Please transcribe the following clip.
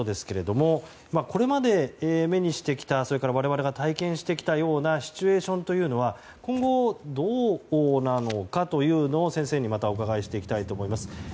これまで、目にしてきた我々が体験してきたようなシチュエーションというのは今後どうなのかというのを先生にお伺いしていきたいと思います。